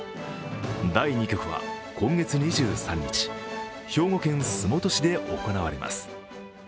第２局は今月２３日、兵庫県洲本市で行われます。